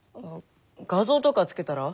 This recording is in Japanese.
画像とか付けたら？